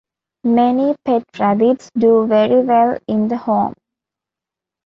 Many pet rabbits do very well in the home.